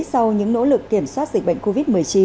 sau những nỗ lực kiểm soát dịch bệnh covid một mươi chín